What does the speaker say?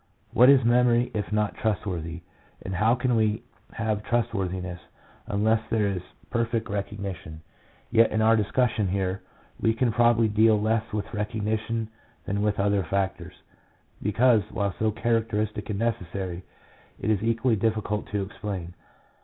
What is memory if not trustworthy, and how can we have trustworthiness unless there is perfect recognition? Yet in our discussion here, we can probably deal less with recognition than with the other factors; because, while so characteristic and necessary, it is equally difficult to explain.